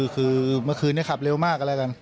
คือเมื่อคืนนี้ขับเร็วมาก